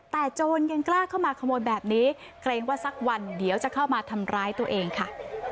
แต่โจรยังกล้าเข้ามาขโมยแบบนี้เกรงว่าสักวันเดี๋ยวจะเข้ามาทำร้ายตัวเองค่ะ